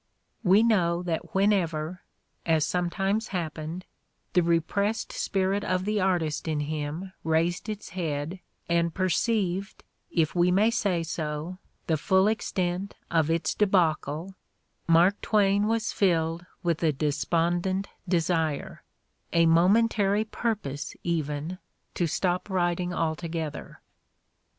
We know that whenever, as sometimes hap pened, the repressed spirit of the artist in him raised its head and perceived, if we may say so, the full extent of its debacle, Mark Twain was filled with a despondent desire, a momentary purpose even, to stop writing alto gether.